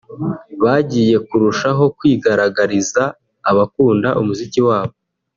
bagiye kurushaho kwigaragariza abakunda umuziki wabo